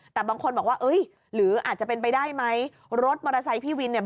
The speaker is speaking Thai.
แต่บางคนบอกว่าเอ้ยหรืออาจจะเป็นไปได้ไหมรถมอเตอร์ไซค์พี่วินเนี่ย